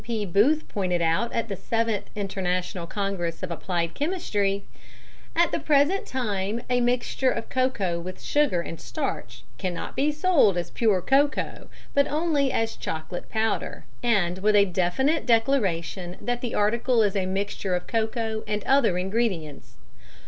P. Booth pointed out at the Seventh International Congress of Applied Chemistry: "At the present time a mixture of cocoa with sugar and starch cannot be sold as pure cocoa, but only as 'chocolate powder,' and with a definite declaration that the article is a mixture of cocoa and other ingredients.